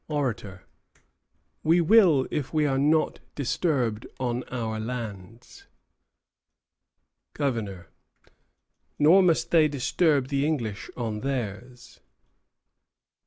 ORATOR. We will if we are not disturbed on our lands. GOVERNOR. Nor must they disturb the English on theirs.